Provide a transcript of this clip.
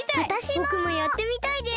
ぼくもやってみたいです！